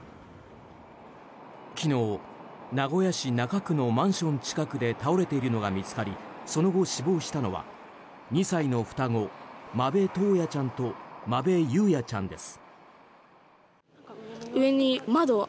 昨日、名古屋市中区のマンション近くで倒れているのが見つかりその後、死亡したのは２歳の双子、間部登也ちゃんと間部雄也ちゃんです。